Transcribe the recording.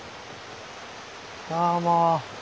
どうも。